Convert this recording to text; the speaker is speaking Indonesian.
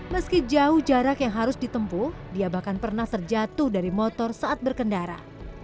meski jauh jarak yang harus ditempuh dia bahkan pernah terjatuh dari motor saat berkendara